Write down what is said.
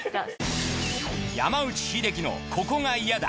山内英輝のここが嫌だ！